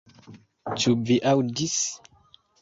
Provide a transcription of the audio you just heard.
Ĉu vi aŭdis